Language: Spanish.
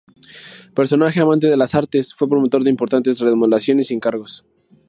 Personaje amante de las artes, fue promotor de importantes remodelaciones y encargos.